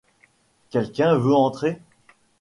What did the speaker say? Quelqu’un veut entrer.